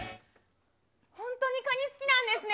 本当にカニ好きなんですね。